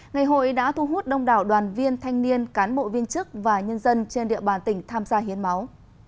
ngày hội đã thu hút đông đảo đoàn viên thanh niên cán bộ viên chức và nhân dân trên địa bàn tỉnh tham gia hiến máu